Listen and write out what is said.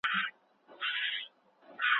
خلګو په ټاکنو کي رایه ورکړه.